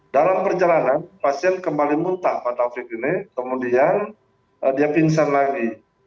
dalam perjalanan pasien kembali muntah pak taufik ini kemudian dia pingsan lagi